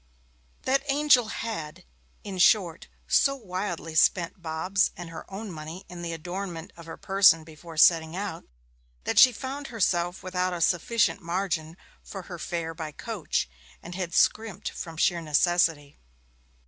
That angel had, in short, so wildly spent Bob's and her own money in the adornment of her person before setting out, that she found herself without a sufficient margin for her fare by coach, and had scrimped from sheer necessity.